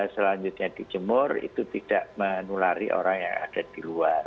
selanjutnya dijemur itu tidak menulari orang yang ada di luar